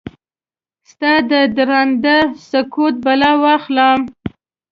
ستا ددرانده سکوت بلا واخلم؟